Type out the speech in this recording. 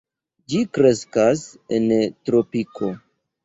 Ĝi kreskas en tropiko.